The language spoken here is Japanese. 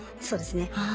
そうですね。